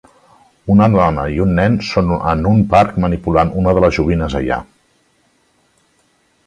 Una dona i un nen són en un parc manipulant una de les joguines allà.